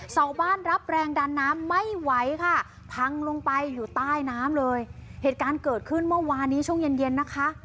เสาบ้านรับแรงดันน้ำไม่ไหวค่ะพังลงไปอยู่ใต้น้ำเลยเหตุการณ์เกิดขึ้นเมื่อวานนี้ช่วงเย็นเย็นนะคะ